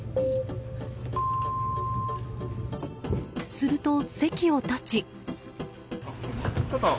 すると、席を立ち。